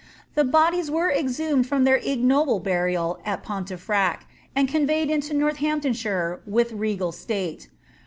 The bodies were ex humed from their ignoble burial at Pontefract, and conveyed into North amptonshire with regal state.